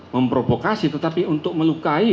memprovokasi tetapi untuk melukai